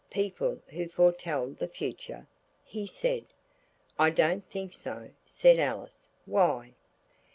"People who foretell the future?" he said. "I don't think so," said Alice. "Why?"